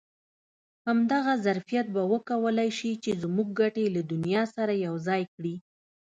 همدغه ظرفیت به وکولای شي چې زموږ ګټې له دنیا سره یو ځای کړي.